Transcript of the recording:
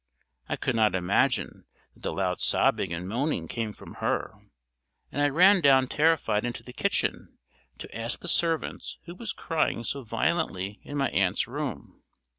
I could not imagine that the loud sobbing and moaning came from her, and I ran down terrified into the kitchen to ask the servants who was crying so violently in my aunt's room.